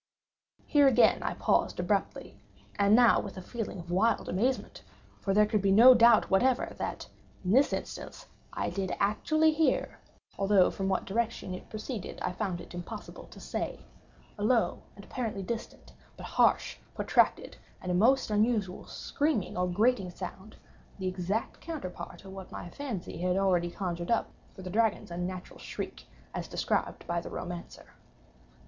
Here again I paused abruptly, and now with a feeling of wild amazement—for there could be no doubt whatever that, in this instance, I did actually hear (although from what direction it proceeded I found it impossible to say) a low and apparently distant, but harsh, protracted, and most unusual screaming or grating sound—the exact counterpart of what my fancy had already conjured up for the dragon's unnatural shriek as described by the romancer.